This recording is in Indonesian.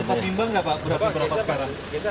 ada cepat timbang gak pak berapa sekarang